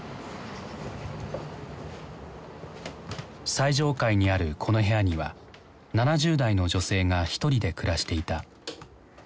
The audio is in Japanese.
最上階にあるこの部屋には７０代の女性がひとりで暮らしていた。